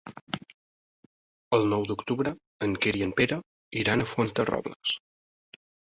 El nou d'octubre en Quer i en Pere iran a Fuenterrobles.